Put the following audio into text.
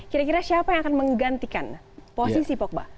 kira kira siapa yang akan menggantikan posisi pogba